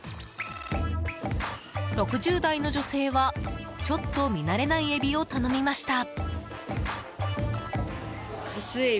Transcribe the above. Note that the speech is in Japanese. ６０代の女性はちょっと見慣れないエビを頼みました。